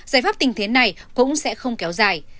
giải pháp tình thế này cũng sẽ không kéo dài